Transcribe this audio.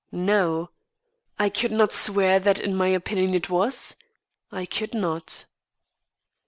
No. I could not swear that in my opinion it was? I could not.